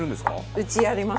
うちやります。